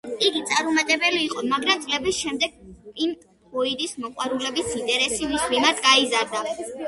იგი წარუმატებელი იყო, მაგრამ წლების შემდეგ პინკ ფლოიდის მოყვარულების ინტერესი მის მიმართ გაიზარდა.